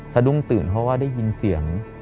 สะดุ้งตื่นเพราะว่าได้ยินเสียง